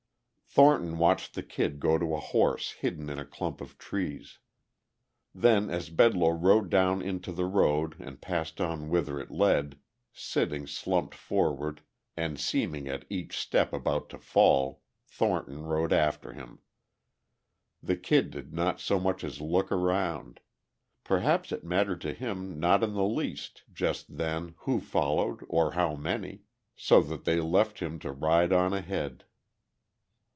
Thornton watched the Kid go to a horse hidden in a clump of trees; then as Bedloe rode down into the road and passed on whither it led, sitting slumped forward and seeming at each step about to fall, Thornton rode after him. The Kid did not so much as look around; perhaps it mattered to him not in the least just then who followed or how many ... so that they left him to ride on ahead....